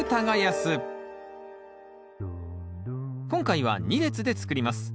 今回は２列で作ります。